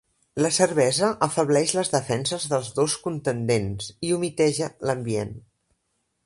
La cervesa afebleix les defenses dels dos contendents i humiteja l'ambient.